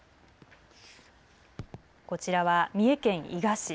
こちらは三重県伊賀市。